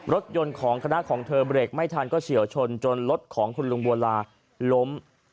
รถยนต์ของคณะของเธอเบรกไม่ทันก็เฉียวชนจนรถของคุณลุงบัวลาล้ม